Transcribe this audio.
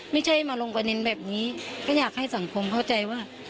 ไม่ใช่มาลงประเด็นแบบนี้ก็อยากให้สังคมเข้าใจว่า